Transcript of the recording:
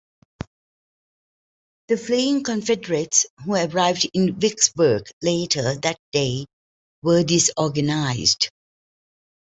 The fleeing Confederates who arrived in Vicksburg later that day were disorganized.